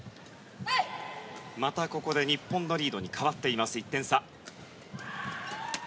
またここで日本のリードに変わっています。